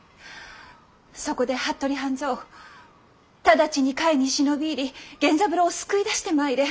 そこで服部半蔵直ちに甲斐に忍び入り源三郎を救い出してまいれ。